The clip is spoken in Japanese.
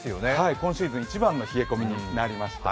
今シーズン一番の冷え込みになります。